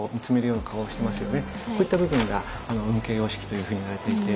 こういった部分が運慶様式というふうに言われていて。